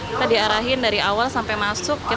kita diarahin dari awal sampai masuk